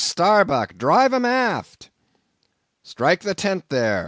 Starbuck, drive 'em aft." "Strike the tent there!"